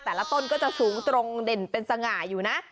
แต่ละต้นก็จะสูงตรงเด่นเป็นสง่าอยู่นะ